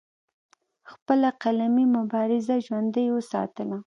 خپله قلمي مبارزه ژوندۍ اوساتله